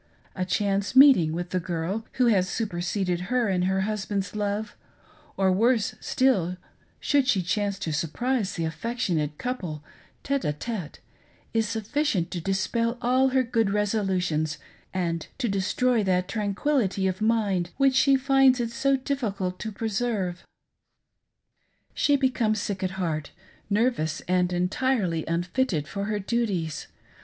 A chance meeting with the girl who has superseded her in her husband's love ; or worse still, should she chance to surprise the affectionate couple tHe d tite, is sufficient to dispel all her good resolutions and to destroy that tranquility of mind which she finds it so difficult to preserve. She becomes sick at heart, nervous and entirely unfitted for her duties.